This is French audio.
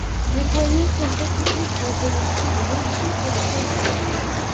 Les poignées sont étudiées pour être le plus rigide possible.